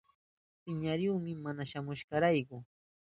Piñarihuni mana shamuhushkanrayku.